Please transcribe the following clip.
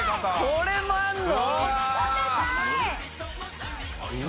それもあるの？